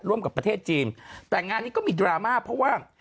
กับประเทศจีนแต่งานนี้ก็มีดราม่าเพราะว่า